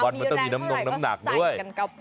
มันต้องมีน้ำนงน้ำหนักด้วย